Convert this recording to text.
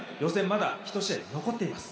まだ１試合残っています。